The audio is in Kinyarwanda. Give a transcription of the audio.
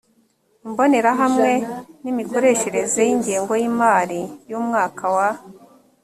imbonerahamwe no imikoreshereze y ingengo y imari y umwaka wa